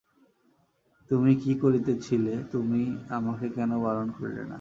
তুমি কী করিতেছিলে, তুমি আমাকে কেন বারণ করিলে না।